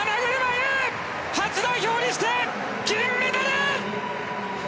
初代表にして銀メダル！